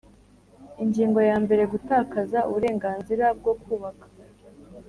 Ingingo ya mbere Gutakaza uburenganzira bwo kubaka